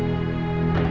ada apa dek